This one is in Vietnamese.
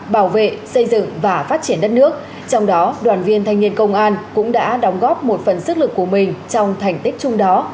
bảo vệ xây dựng và phát triển đất nước trong đó đoàn viên thanh niên công an cũng đã đóng góp một phần sức lực của mình trong thành tích chung đó